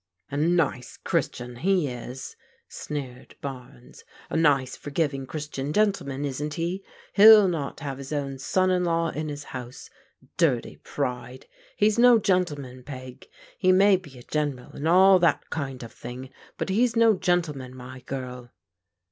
" A nice Qiristian he is," sneered Barnes. " A nice forgiving Qiristian gentleman, isn't he? He'll not have his own son in law in his house. Dirty pride. He's no gentleman, Peg. He may be a General and all that kind of thing, but he's no gentleman, my girl."